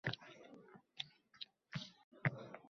Eng yaxshi dori – xordiq va nafsni tiyish.